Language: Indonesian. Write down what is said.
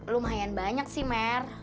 lumayan banyak sih mer